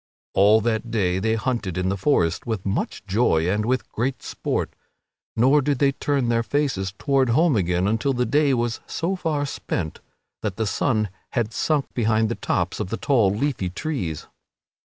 All that day they hunted in the forest with much joy and with great sport, nor did they turn their faces toward home again until the day was so far spent that the sun had sunk behind the tops of the tall leafy trees.